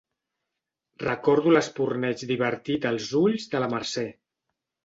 Recordo l'espurneig divertit als ulls de la Mercè.